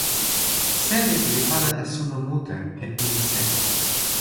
seli li pana e suno mute e pilin seli.